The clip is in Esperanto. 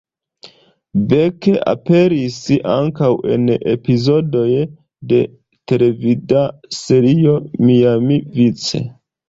Beck aperis ankaŭ en epizodoj de televida serio "Miami Vice".